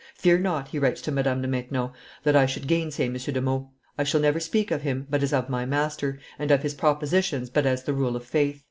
"Fear not," he writes to Madame de Maintenon, "that I should gainsay M. de Meaux; I shall never speak of him but as of my master, and of his propositions but as the rule of faith."